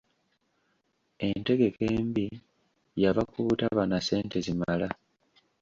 Entegeka embi yava ku butaba na ssente zimala.